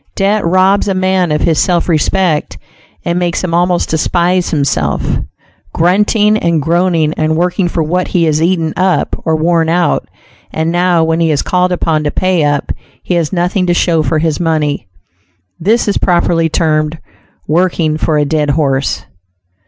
Debt robs a man of his self respect, and makes him almost despise himself. Grunting and groaning and working for what he has eaten up or worn out, and now when he is called upon to pay up, he has nothing to show for his money; this is properly termed "working for a dead horse."